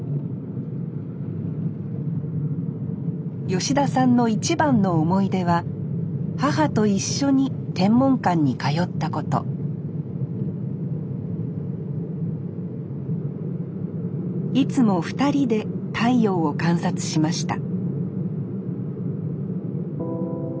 吉田さんの一番の思い出は母と一緒に天文館に通ったこといつも２人で太陽を観察しました